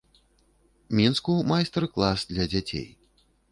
Мінску майстар-клас для дзяцей.